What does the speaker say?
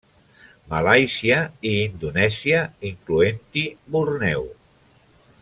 Malàisia i Indonèsia, incloent-hi Borneo.